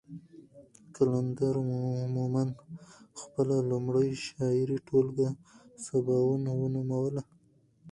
قلندر مومند خپله لومړۍ شعري ټولګه سباوون نوموله.